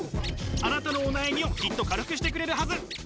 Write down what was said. あなたのお悩みをきっと軽くしてくれるはず。